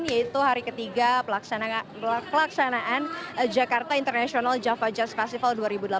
yaitu hari ketiga pelaksanaan jakarta international java jazz festival dua ribu delapan belas